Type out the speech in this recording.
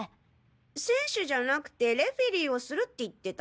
選手じゃなくてレフェリーをするって言ってた。